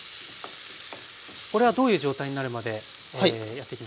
これはどういう状態になるまでやっていきますか？